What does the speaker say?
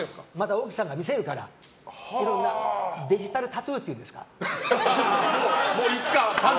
奥さんが見せるからいろんなデジタルタトゥーって言うんですか。